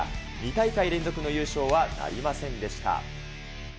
２大会連続の優勝はなりませんでした。